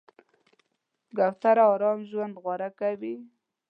کوتره آرام ژوند غوره کوي.